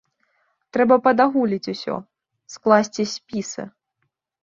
Трэба падагуліць усё, скласці спісы.